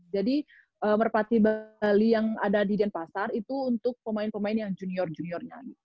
jadi merpati bali yang ada di denpasar itu untuk pemain pemain yang junior juniornya